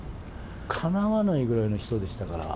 かなわないぐらいの人でしたから。